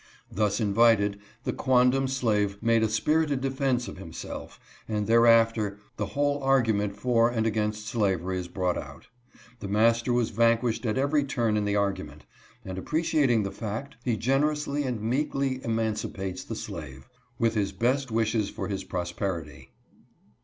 Thus invited, the quondam slave made a spirited defense of himself, and thereafter the whole argument for and against slavery is brought out. The master was vanquished at every turn in the argument, and, appreciating the fact, he generously ancl meekly emancipates the slave, with his best wishes for his prosperity.